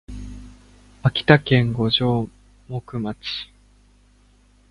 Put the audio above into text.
秋田県五城目町